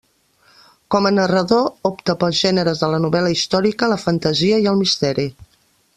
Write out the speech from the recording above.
Com a narrador, opta pels gèneres de la novel·la històrica, la fantasia i el misteri.